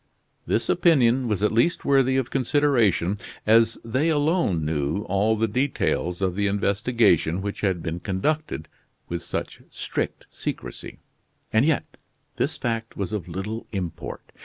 This opinion was at least worthy of consideration, as they alone knew all the details of the investigation which had been conducted with such strict secrecy; and yet this fact was of little import.